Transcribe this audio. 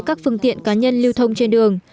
các phương tiện cá nhân lưu thông trên đường